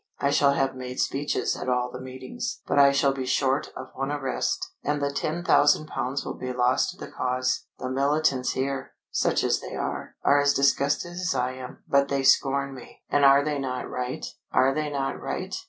I shall have made speeches at all the meetings. But I shall be short of one arrest. And the ten thousand pounds will be lost to the cause. The militants here such as they are are as disgusted as I am. But they scorn me. And are they not right? Are they not right?